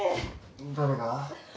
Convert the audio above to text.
誰が？